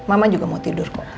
mama juga mau tidur kok